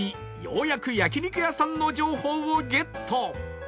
ようやく焼肉屋さんの情報をゲット